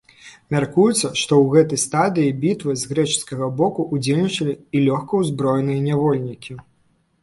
Мяркуецца, што ў гэтай стадыі бітвы з грэчаскага боку ўдзельнічалі і лёгкаўзброеныя нявольнікі.